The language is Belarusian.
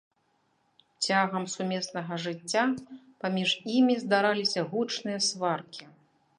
Цягам сумеснага жыцця паміж імі здараліся гучныя сваркі.